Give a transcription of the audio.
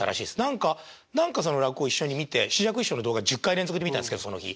何か何かその落語を一緒に見て枝雀師匠の動画１０回連続で見たんですけどその日。